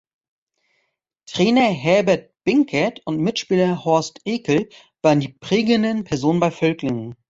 Trainer Herbert Binkert und Mitspieler Horst Eckel waren die prägenden Personen bei Völklingen.